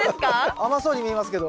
甘そうに見えますけど。